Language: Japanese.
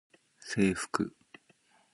制服